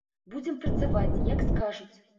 Будзем працаваць, як скажуць.